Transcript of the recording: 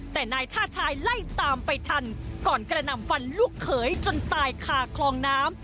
แต่นายชาติชายไล่ตามไปทันก่อนกระหน่ำฟันลูกเขยจนตายคาคลองน้ำ